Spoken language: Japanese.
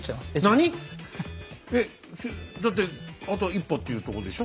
えっだってあと一歩っていうとこでしょ？